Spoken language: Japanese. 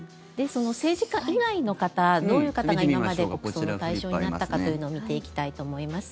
その政治家以外の方どういう方が今まで国葬の対象になったかというのを見ていきたいと思います。